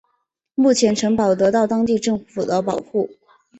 目前城堡得到当地政府的保护。